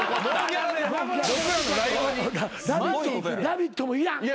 『ラヴィット！』もいらん。